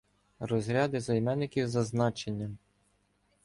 Розряди займенників за значенням